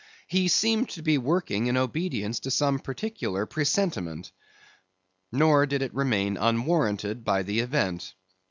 He seemed to be working in obedience to some particular presentiment. Nor did it remain unwarranted by the event.